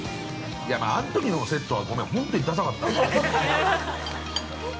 ◆あのときのセットは、ごめん本当にださかった。